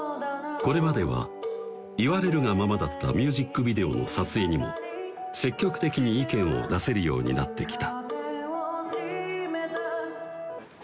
これまでは言われるがままだったミュージックビデオの撮影にも積極的に意見を出せるようになってきた